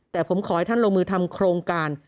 แต่ผมขอให้ท่านลงมือทำโครงการ